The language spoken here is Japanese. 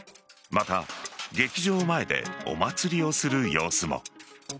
また劇場前でお祭りをする様子も。